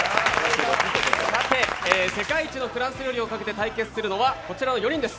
さて世界一のフランス料理をかけて対決するのはこちらの４人です。